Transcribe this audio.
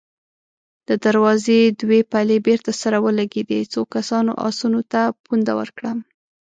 د دروازې دوې پلې بېرته سره ولګېدې، څو کسانو آسونو ته پونده ورکړه.